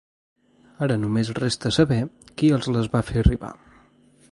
Ara només resta saber qui els les va fer arribar.